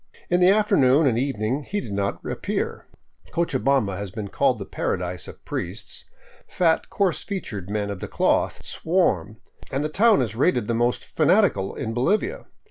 In the afternoon and evening he did not appear. Cochabamba has been called the paradise of priests. Fat, coarse featured men of the cloth swarm, and the town is rated the most fanatical in Bolivia.